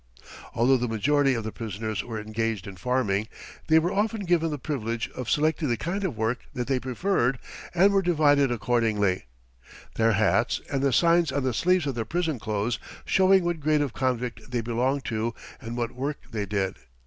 Although the majority of the prisoners were engaged in farming, they were often given the privilege of selecting the kind of work that they preferred, and were divided accordingly, their hats and the signs on the sleeves of their prison clothes showing what grade of convict they belonged to and what work they did.